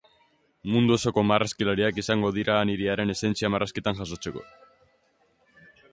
Mundu osoko marrazkilariak izango dira han hiriaren esentzia marrazkitan jasotzeko.